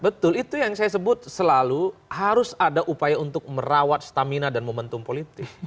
betul itu yang saya sebut selalu harus ada upaya untuk merawat stamina dan momentum politik